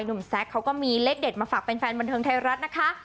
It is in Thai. แซ็กเขาก็มีเลขเด็ดมาฝากแฟนบันเทิงไทยรัฐนะคะ